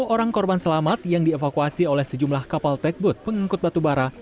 sepuluh orang korban selamat yang dievakuasi oleh sejumlah kapal techboot pengangkut batubara